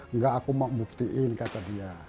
enggak aku mau buktiin kata dia